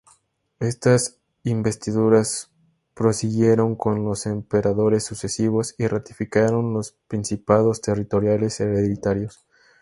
Estas investiduras prosiguieron con los emperadores sucesivos y ratificaron los principados territoriales hereditarios.